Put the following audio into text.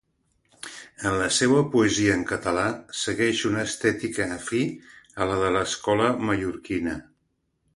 En la seua poesia en català segueix una estètica afí a la de l'Escola Mallorquina.